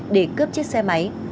để cướp chiếc xe máy